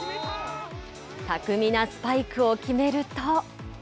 巧みなスパイクを決めると。